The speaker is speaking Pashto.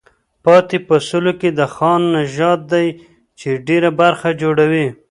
پاتې په سلو کې د خان نژاد دی چې ډېره برخه جوړوي.